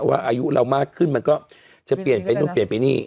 ว่าอายุเรามากขึ้นมันก็จะเปลี่ยนไปนู่นเปลี่ยนไปนี่